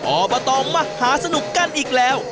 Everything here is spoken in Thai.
ออเบอร์โตมหาสนุกกันอีกแล้ว